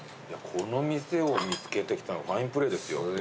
この店を見つけてきたのファインプレーですよ